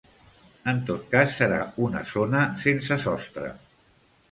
En tot cas serà una zona sense sostre.